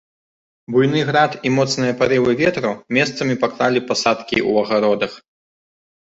Буйны град і моцныя парывы ветру месцамі паклалі пасадкі ў агародах.